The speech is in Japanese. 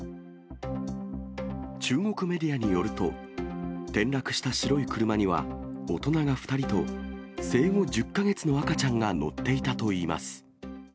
中国メディアによると、転落した白い車には、大人が２人と、生後１０か月の赤ちゃんが乗っていたといいます。